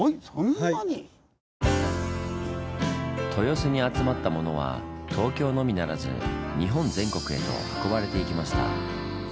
豊洲に集まったものは東京のみならず日本全国へと運ばれていきました。